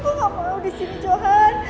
aku gak mau di sini johan